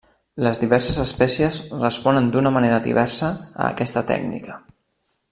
Les diverses espècies responen d'una manera diversa a aquesta tècnica.